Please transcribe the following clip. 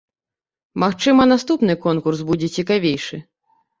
Магчыма, наступны конкурс будзе цікавейшы.